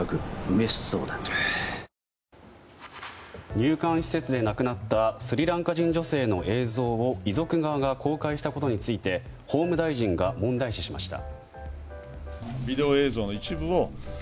入管施設で亡くなったスリランカ人女性の映像を遺族側が公開したことについて法務大臣が問題視しました。